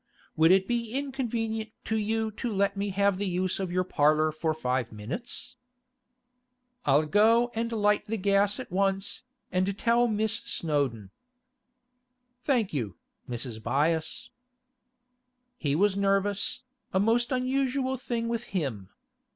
Would it be inconvenient to you to let me have the use of your parlour for five minutes?' 'I'll go and light the gas at once, and tell Miss Snowdon.' 'Thank you, Mrs. Byass.' He was nervous, a most unusual thing with him.